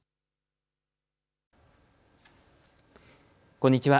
こんにちは。